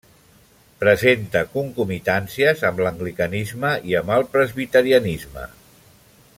Presenta concomitàncies amb l'anglicanisme i amb el Presbiterianisme.